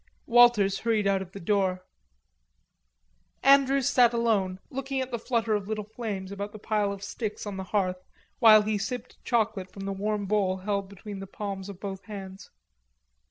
Walters hurried out of the door. Andrews sat alone looking at the flutter of little flames about the pile of sticks on the hearth, while he sipped chocolate from the warm bowl held between the palms of both hands.